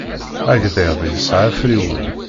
Agḍiḍ yesɛa afriwen.